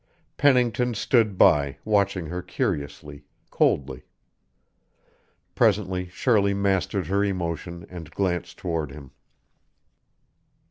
Pennington stood by, watching her curiously, coldly. Presently Shirley mastered her emotion and glanced toward him.